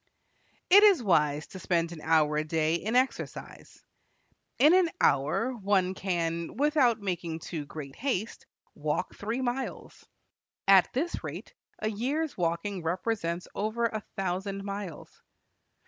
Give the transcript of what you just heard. It is wise to spend an hour a day in exercise. In an hour one can, without making too great haste, walk three miles. At this rate, a year's walking represents over a thousand miles.